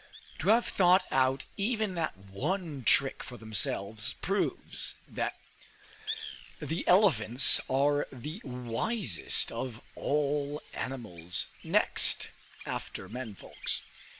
To have thought out even that one trick for themselves proves that the elephants are the wisest of all animals, next after men folks.